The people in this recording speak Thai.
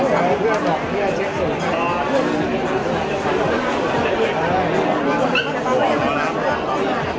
แค่วันอาจจะขอบคุณไข่